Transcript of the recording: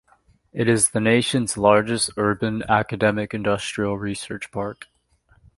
It is the nation's largest urban academic-industrial research park.